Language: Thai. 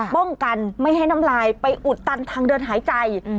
ป้องกันไม่ให้น้ำลายไปอุดตันทางเดินหายใจ